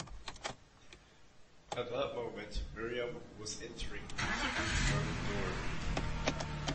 At that moment Miriam was entering through the garden-door.